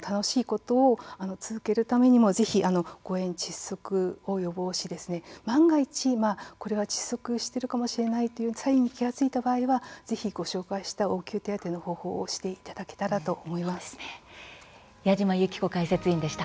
楽しいことを続けるためにもぜひ誤えん、窒息を予防し万が一、窒息しているかもしれないというサインに気付いた場合にはぜひご紹介した応急手当の方法を矢島ゆき子解説委員でした。